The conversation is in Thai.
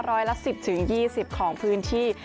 ร้อยละ๑๐๒๐ของพื้นที่